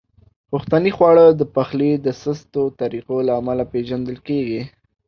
پښتني خواړه د پخلي د سستو طریقو له امله پیژندل کیږي.